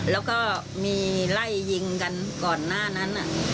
แล้วก็มีไล่ยิงกันก่อนหน้านั้น